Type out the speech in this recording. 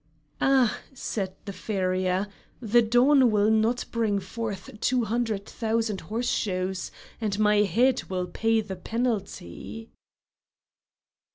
"Ah!" said the farrier, "the dawn will not bring forth two hundred thousand horseshoes, and my head will pay the penalty."